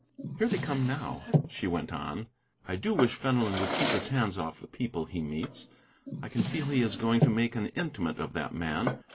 "Here they come, now," she went on. "I do wish Fenelon would keep his hands off the people he meets. I can feel he is going to make an intimate of that man.